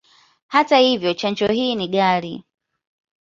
Hata hivyo, chanjo hii ni ghali.